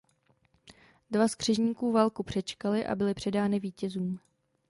Dva z křižníků válku přečkaly a byly předány vítězům.